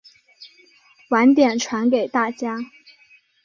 晚点传给大家